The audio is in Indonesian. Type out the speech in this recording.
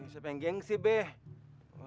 siapa yang gengsi be